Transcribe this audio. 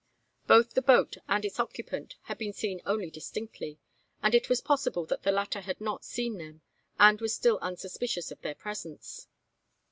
Both the boat and its occupant had been seen only indistinctly: and it was possible that the latter had not seen them, and was still unsuspicious of their presence.